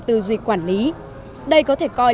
tư duy quản lý đây có thể coi